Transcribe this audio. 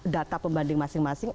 data pembanding masing masing